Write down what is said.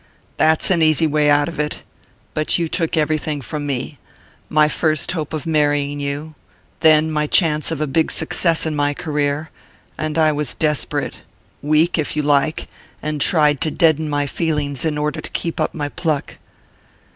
"That's an easy way out of it. But you took everything from me first my hope of marrying you; then my chance of a big success in my career; and I was desperate weak, if you like and tried to deaden my feelings in order to keep up my pluck."